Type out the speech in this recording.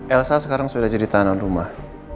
elsa sekarang sudah jadi tahanan rumah